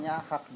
ini masih ada